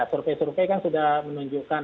survei survei kan sudah menunjukkan